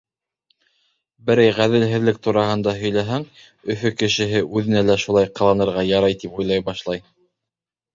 Берәй ғәҙелһелек тураһында һөйләһәң, Өфө кешеһе үҙенә лә шулай ҡыланырға ярай тип уйлай башлай.